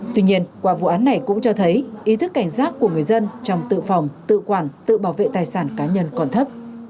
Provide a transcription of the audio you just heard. tuy nhiên qua vụ án này cũng cho thấy ý thức cảnh giác của người dân trong tự phòng tự quản tự bảo vệ tài sản cá nhân còn thấp